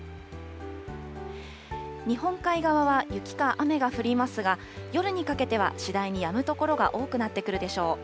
日本海側は雪か雨が降りますが、夜にかけては次第にやむ所が多くなってくるでしょう。